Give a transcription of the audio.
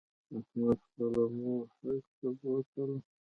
احمد خپله مور حج ته بوتله